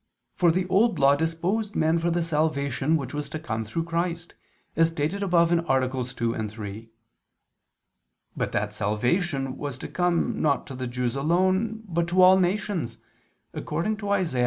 For the Old Law disposed men for the salvation which was to come through Christ, as stated above (AA. 2, 3). But that salvation was to come not to the Jews alone but to all nations, according to Isa.